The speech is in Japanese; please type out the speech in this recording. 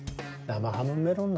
生ハムメロン。